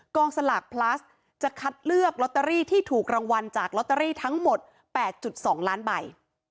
สลากพลัสจะคัดเลือกลอตเตอรี่ที่ถูกรางวัลจากลอตเตอรี่ทั้งหมด๘๒ล้านใบ